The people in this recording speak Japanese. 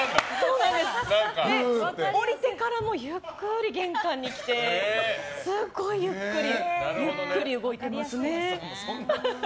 降りてからも、ゆっくり玄関に来てすごいゆっくりゆっくり動いてますね。